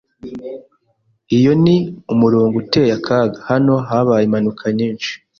Iyo ni umurongo uteye akaga. Hano habaye impanuka nyinshi.